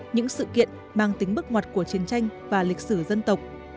những sự kiện mang tính bức mọt của chiến tranh và lịch sử dân tộc